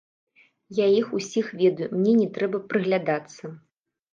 Я іх усіх ведаю, мне не трэба прыглядацца.